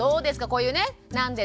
こういうねなんで？